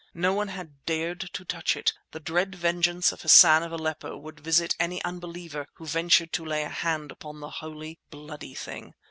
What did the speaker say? No one had dared to touch it; the dread vengeance of Hassan of Aleppo would visit any unbeliever who ventured to lay hand upon the holy, bloody thing.